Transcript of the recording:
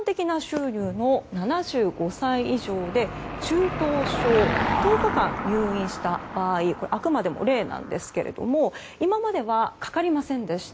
７５歳以上で中等症で、１０日間入院した場合あくまでも例なんですけれども今まではかかりませんでした。